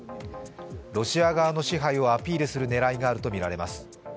ロシア側の支配をアピールする狙いがあるとみられます。